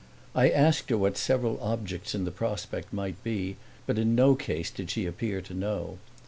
I asked her what several different objects in the prospect might be, but in no case did she appear to know.